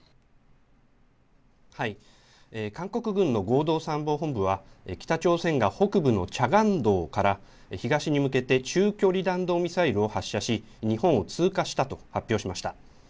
韓国軍の合同参謀本部は北朝鮮が北部のチャガン道から東に向けて中距離弾道ミサイルを発射し、日本を通過したと発表しました。